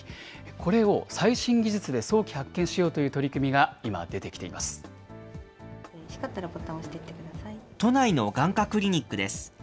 これを最新技術で早期発見しようという取り組みが今、出てきてい都内の眼科クリニックです。